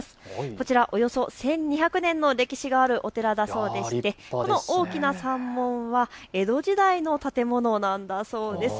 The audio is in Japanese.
こちらおよそ１２００年の歴史を持つお寺だそうでしてこの大きな山門は江戸時代の建物だそうです。